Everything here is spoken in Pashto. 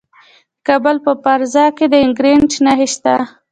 د کابل په فرزه کې د ګرانیټ نښې شته.